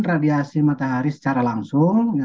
radiasi matahari secara langsung